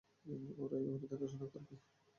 ওরাই ওর দেখাশোনা করবে।